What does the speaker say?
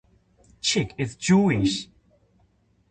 Chick is Jewish.